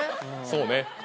そうね。